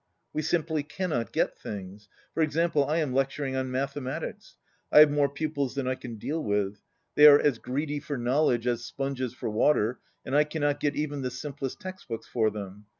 "We simply cannot get things. For example, I am lecturing on mathematics. I have more pupils than I can deal with. They are as greedy for knowledge as sponges for water, and I cannot get even the simplest text books for them.